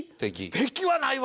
敵はないわ。